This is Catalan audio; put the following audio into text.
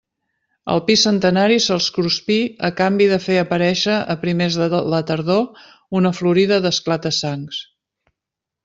El pi centenari se'ls cruspí a canvi de fer aparéixer a primers de la tardor una florida d'esclata-sangs.